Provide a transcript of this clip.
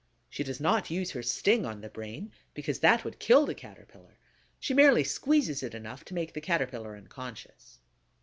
She does not use her sting on the brain, because that would kill the Caterpillar; she merely squeezes it enough to make the Caterpillar unconscious.